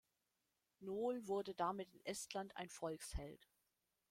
Nool wurde damit in Estland ein Volksheld.